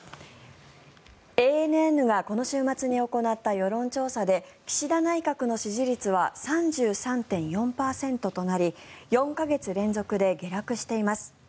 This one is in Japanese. ＡＮＮがこの週末に行った世論調査で岸田内閣の支持率は３３．４％となり４か月連続で下落しています。